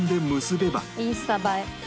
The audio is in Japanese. インスタ映え。